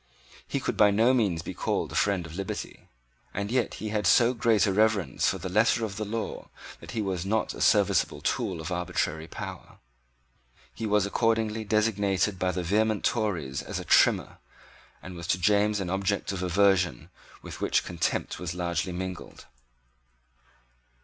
He could by no means be called a friend of liberty; and yet he had so great a reverence for the letter of the law that he was not a serviceable tool of arbitrary power. He was accordingly designated by the vehement Tories as a Trimmer, and was to James an object of aversion with which contempt was largely mingled.